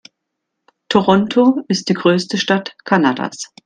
Toronto ist die größte Stadt Kanadas.